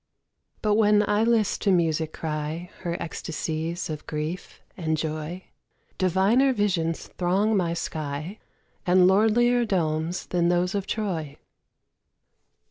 But when I list to Music cry Her ecstasies of grief and joy, Diviner visions throng my sky, And lordlier domes than those of Troy.